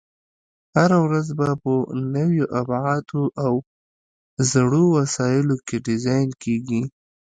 هره ورځ به په نویو ابعادو او زړو وسایلو کې ډیزاین کېږي.